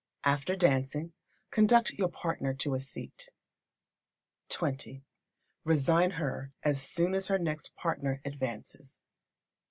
After dancing, conduct your partner to a seat. xx. Resign her as soon as her next partner advances.